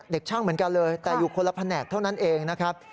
เด็กช่างเหมือนกันเลยแต่อยู่คนละแผนกเท่านั้นเองนะครับ